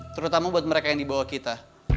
terutama buat mereka yang di bawah kita